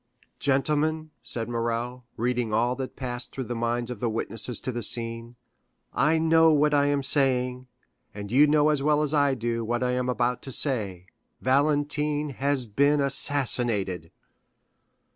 "Gentlemen," said Morrel, reading all that passed through the minds of the witnesses to the scene, "I know what I am saying, and you know as well as I do what I am about to say—Valentine has been assassinated!"